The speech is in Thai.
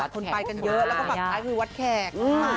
คนไปกันเยอะแล้วก็ฝั่งซ้ายคือวัดแขก